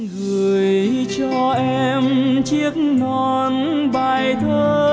gửi cho em chiếc nón bài thơ